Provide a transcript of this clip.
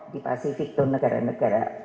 di pasifik dan negara negara